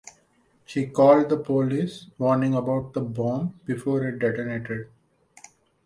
He called the police, warning about the bomb before it detonated.